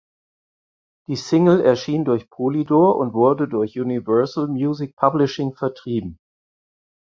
Die Single erschien durch Polydor und wurde durch Universal Music Publishing vertrieben.